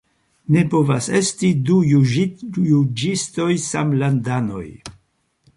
Ne povas esti du juĝistoj samlandanoj.